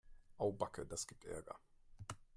Au backe, das gibt Ärger.